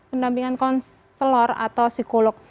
pendampingan konselor atau psikolog